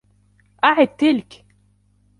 اعد تلك!